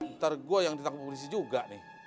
ntar gue yang ditakut polisi juga